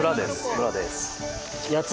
村です。